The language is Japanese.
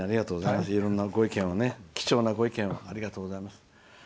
いろんな貴重なご意見をありがとうございます。